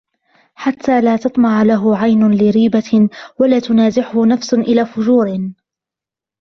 حَتَّى لَا تَطْمَحَ لَهُ عَيْنٌ لِرِيبَةٍ وَلَا تُنَازِعَهُ نَفْسٌ إلَى فُجُورٍ